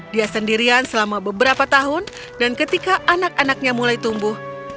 dia sendirian selama beberapa tahun dan ketika anak anaknya mulai tumbuh